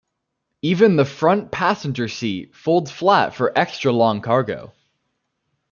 Even the front passenger seat folds flat for extra-long cargo.